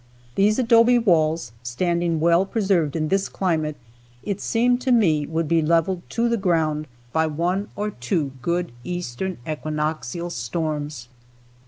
These adobe walls, standing well preserved in this climate, it seemed to me, would be leveled to the ground by one or two good eastern equinoxial storms.